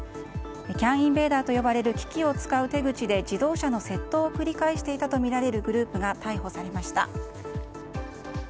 ＣＡＮインベーダーと呼ばれる機器を使う手口で自動車の窃盗を繰り返していたとみられるグループが逮捕されました。